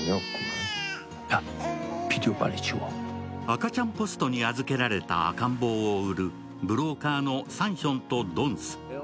赤ちゃんポストに預けられた赤ん坊を売るブローカーのサンヒョンとドンス。